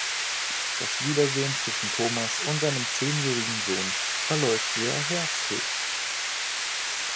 Das Wiedersehen zwischen Thomas und seinem zehnjährigen Sohn verläuft sehr herzlich.